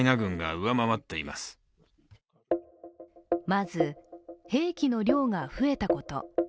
まず、兵器の量が増えたこと。